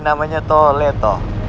namanya tole toh